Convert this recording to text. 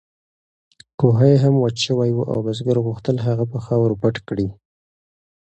کوهی هم وچ شوی و او بزګر غوښتل هغه په خاورو پټ کړي.